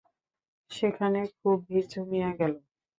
সেখানে খুব ভিড় জমিয়া গেল।